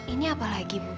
ini apa lagi bu